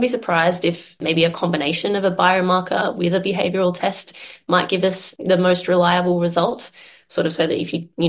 supaya jika anda tidak berhasil dengan tes perkembangan